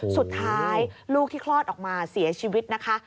สุดท้ายลูกที่คลอดออกมาเสียชีวิตนะคะ